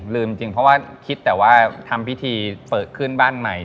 ลืมจริงเพราะว่าคิดแต่ว่าทำพิธีเปิดขึ้นบ้านใหม่